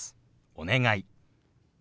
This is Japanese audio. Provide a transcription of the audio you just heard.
「お願い」。